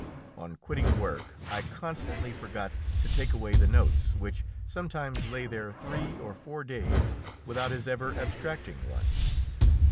On quitting work I constantly forgot to take away the notes, which sometimes lay there three or four days without his ever abstracting one.